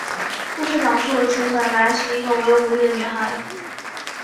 故事讲述琴本来是一个无忧无虑的女孩。